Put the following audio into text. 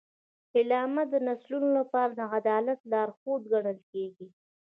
اعلامیه د نسلونو لپاره د عدالت لارښود ګڼل کېږي.